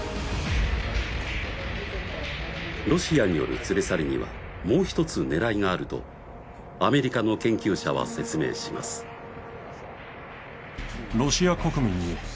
ロシアによる連れ去りにはもう１つ狙いがあるとアメリカの研究者は説明しますするためです